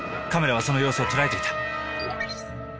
カメラはその様子を捉えていた！